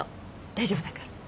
大丈夫だから。